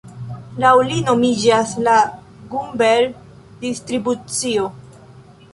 Laŭ li nomiĝas la Gumbel-Distribucio.